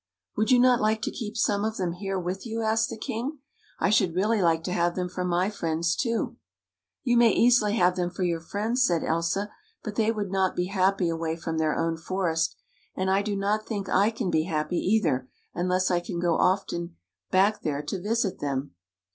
" Would you not like to keep some of them here with you? " asked the king. " I should really like to have them for my friends, too." "You may easily have them for your friends," said Elsa, " but they would not be happy away from their own forest. And I do not think I can be happy, either', unless I can often go back there to visit them."